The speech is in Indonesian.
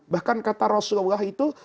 bahkan kata rasulullah itu